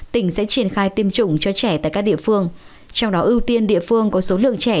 tỉnh sẽ triển khai tiêm chủng cho trẻ tại các địa phương trong đó ưu tiên địa phương có số lượng trẻ